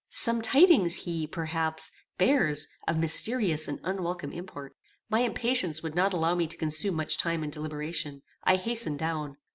Some tidings he, perhaps, bears of mysterious and unwelcome import. My impatience would not allow me to consume much time in deliberation: I hastened down.